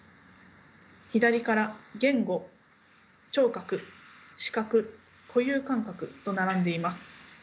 左から言語聴覚視覚固有感覚と並んでいます。